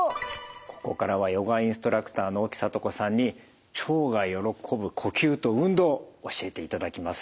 ここからはヨガインストラクターの沖知子さんに腸が喜ぶ呼吸と運動教えていただきます。